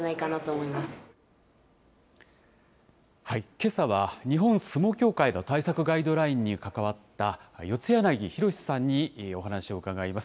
けさは日本相撲協会の対策ガイドラインに関わった、四柳宏さんにお話を伺います。